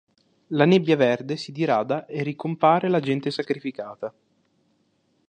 La nebbia verde si dirada e ricompare la gente sacrificata.